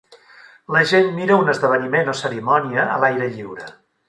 La gent mira un esdeveniment o cerimònia a l'aire lliure.